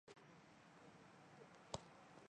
普卢泽韦代。